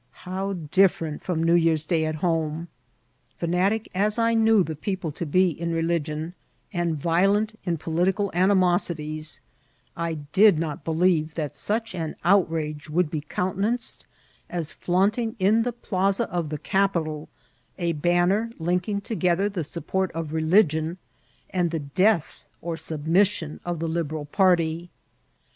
How different from Newyear's Day at home ! Fanatic as I knew the people to be in religion, and violent in political animosities, I did not believe that such an outrage would be countenanced as flaunting in the "plaza of the capital a bann» linking together the support of religion and the death or submission of the Liberal party.